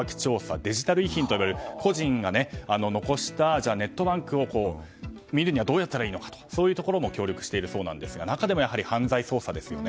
デジタル遺品と呼ばれる故人が残したネットワークを見るにはどうすればいいのかというところも協力しているそうですが中でもやはり犯罪捜査ですよね。